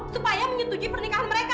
supaya menyetujui pernikahan mereka